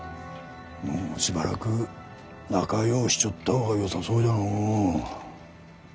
もうしばらく仲ようしちょった方がよさそうじゃのう。